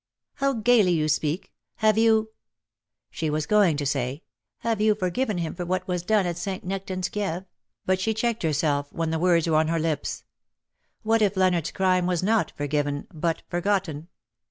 " How gaily you speak. Have you " She was going to say^ ^' Have you forgiven him for what was done at St. Nectan's Kieve V but she checked herself when the words were on her lips. What if Leonardos crime was not forgiven, but forgotten